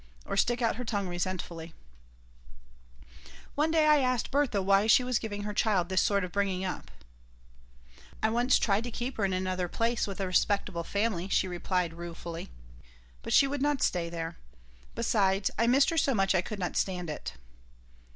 or stick out her tongue resentfully One day I asked Bertha why she was giving her child this sort of bringing up "I once tried to keep her in another place, with a respectable family," she replied, ruefully. "But she would not stay there. Besides, I missed her so much I could not stand it."